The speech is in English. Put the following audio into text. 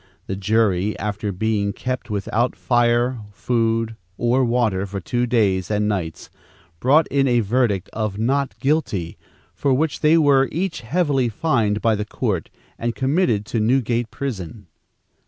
The jury, after being kept without fire, food, or water for two days and nights, brought in a verdict of "not guilty," for which they were each heavily fined by the court and committed to Newgate prison.